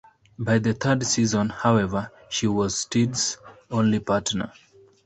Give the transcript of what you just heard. By the third season, however, she was Steed's only partner.